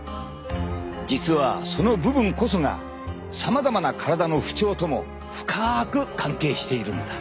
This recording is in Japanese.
実はその部分こそがさまざまな体の不調とも深く関係しているのだ。